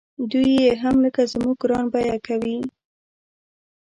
دوی یې هم لکه زموږ ګران بیه کوي.